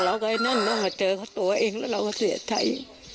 เราก็เจอเขาตัวเองแล้วเราก็เสียใจ